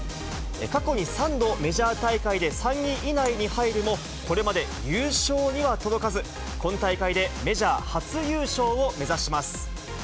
過去に３度、メジャー大会で３位以内に入るも、これまで優勝には届かず、今大会でメジャー初優勝を目指します。